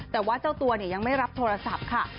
แต่ว่าเจ้าตัวยังไม่รับโทรศัพท์ค่ะ